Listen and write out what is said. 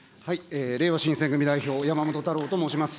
れいわ新選組代表、山本太郎と申します。